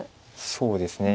そうですね